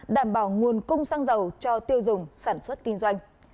đảm bảo nguồn cung xăng dầu cho tiêu dùng sản xuất kinh doanh